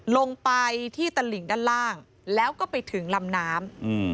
ลงไปที่ตลิ่งด้านล่างแล้วก็ไปถึงลำน้ำ